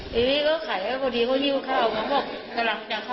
ปีนี้ก็ขายก็พอดีเขายินก็ข้าวมันบอกจะรับอย่างเข้าไปให้